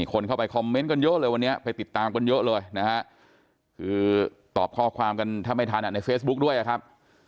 คนเข้าไปคอมเมนต์กันเยอะเลยวันนี้ไปติดตามกันเยอะเลยนะฮะคือตอบข้อความกันแทบไม่ทันอ่ะในเฟซบุ๊คด้วยนะครับ